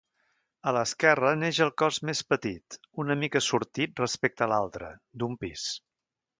A l'esquerra neix el cos més petit, una mica sortit respecte a l'altre, d'un pis.